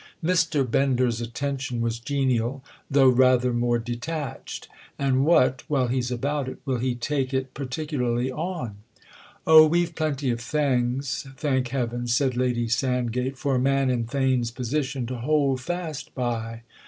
Mr. Bender's attention was genial, though rather more detached. "And what—while he's about it—will he take it particularly on?" "Oh, we've plenty of things, thank heaven," said Lady Sandgate, "for a man in Theign's position to hold fast by!"